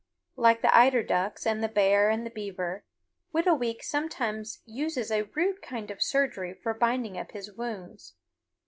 Like the eider ducks and the bear and the beaver, Whitooweek sometimes uses a rude kind of surgery for binding up his wounds.